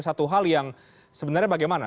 satu hal yang sebenarnya bagaimana